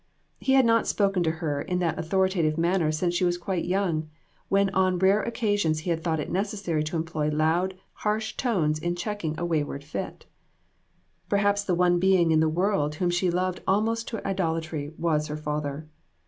He had not spoken to her in that authoritative manner since she was quite young, when on rare occasions he had thought it necessary to employ loud, harsh tones in checking a wayward fit. Perhaps the one being in the world whom she loved almost to idolatry, was her father.